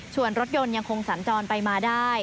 ส่วนรถยนต์ยังคงสัญจรไปมาได้